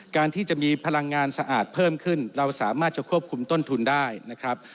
การที่จะมีพลังงานสะอาดเพิ่มขึ้นเราสามารถจะควบคุมต้นทุนได้นะครับ